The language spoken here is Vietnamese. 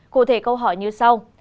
cụ thể câu hỏi như sau